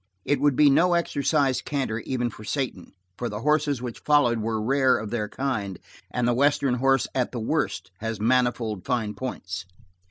It would be no exercise canter even for Satan, for the horses which followed were rare of their kind, and the western horse at the worst has manifold fine points.